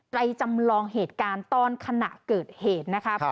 จำลองเหตุการณ์ตอนขณะเกิดเหตุนะครับ